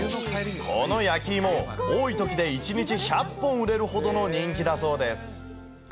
この焼きいも、多いときで１日１００本売れるほどの人気だそうです。